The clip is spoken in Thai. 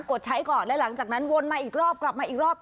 ดใช้ก่อนและหลังจากนั้นวนมาอีกรอบกลับมาอีกรอบ